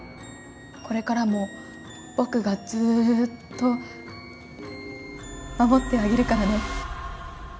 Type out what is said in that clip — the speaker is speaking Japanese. これからも僕がずっと守ってあげるからね」。